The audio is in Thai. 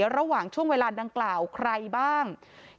ระหว่างช่วงเวลาดังกล่าวใครบ้าง